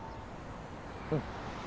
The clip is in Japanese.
うん。